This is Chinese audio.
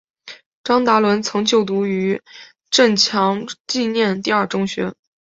张达伦曾就读余振强纪念第二中学。